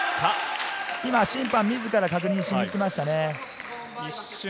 今、審判自らが確認にいきました。